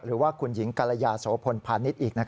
หรือว่าคุณหญิงกรยาโสพลพาณิชย์อีก